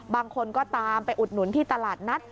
บางคนก็ตามไปอุดหนุนที่ตลาดนัด